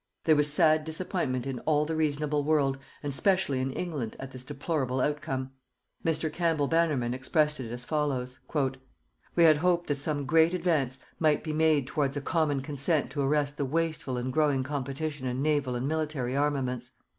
There was sad disappointment in all the reasonable world and specially in England at this deplorable outcome. Mr. Campbell Bannerman expressed it as follows: "_We had hoped that some great advance might be made towards a common consent to arrest the wasteful and growing competition in naval and military armaments.